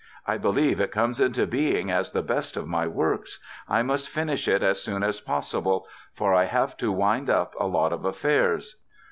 I believe it comes into being as the best of my works. I must finish it as soon as possible, for I have to wind up a lot of affairs...."